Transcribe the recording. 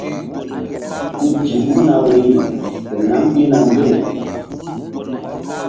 Ku ti ɗukna woyri ke nam pihna mbew.